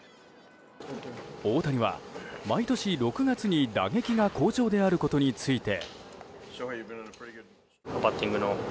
大谷は毎年６月に、打撃が好調であることについて。